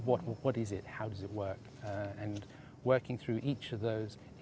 apa itu bagaimana itu berfungsi